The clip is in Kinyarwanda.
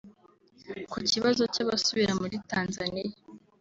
Ku kibazo cy’abasubira muri Tanzania